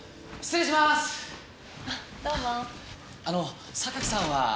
あの榊さんは。